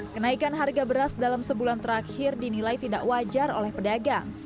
kenaikan harga beras dalam sebulan terakhir dinilai tidak wajar oleh pedagang